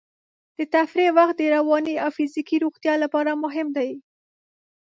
د تفریح وخت د رواني او فزیکي روغتیا لپاره مهم دی.